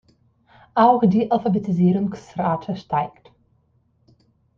Auch die Alphabetisierungsrate steigt.